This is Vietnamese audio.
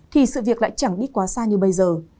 thì sự việc lại chẳng đi quá xa như bây giờ